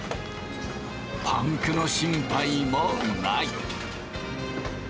パンクの心配もない。